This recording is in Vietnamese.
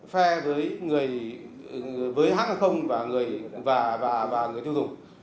phe với người với hàng hàng không và người tiêu dùng